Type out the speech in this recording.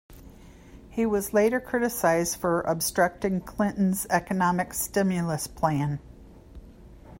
He was later criticized for obstructing Clinton's economic stimulus plan.